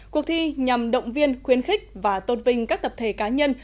cuộc thi nhằm động viên khuyến khích và tôn vinh các tập thể cá nhân